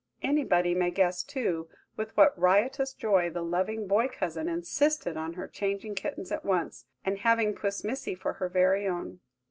Anybody may guess, too, with what riotous joy the loving boy cousin insisted on her changing kittens at once, and having Puss Missy for her very own.